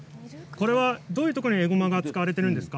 どういうところにえごまが使われているんですか。